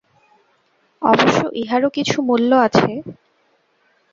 অবশ্য ইহারও কিছু মূল্য আছে।